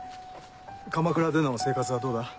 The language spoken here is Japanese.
鎌倉での生活はどうだ？